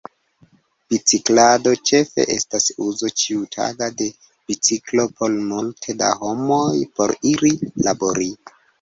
Biciklado ĉefe estas uzo ĉiutaga de biciklo por multe da homoj, por iri labori.